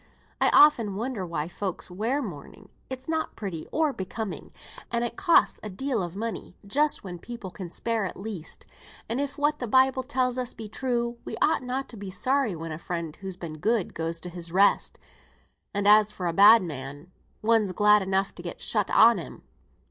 "I often wonder why folks wear mourning; it's not pretty or becoming; and it costs a deal of money just when people can spare it least; and if what the Bible tells us be true, we ought not to be sorry when a friend, who's been good, goes to his rest; and as for a bad man, one's glad enough to get shut on him.